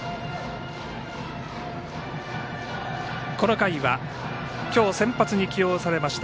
この回は今日先発に起用されました